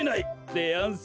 でやんす。